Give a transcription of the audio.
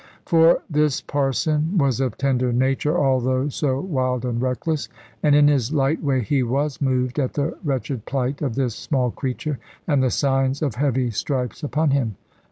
For this parson was of tender nature, although so wild and reckless; and in his light way he was moved at the wretched plight of this small creature, and the signs of heavy stripes upon him.